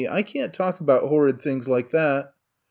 I can't talk about horrid things like that.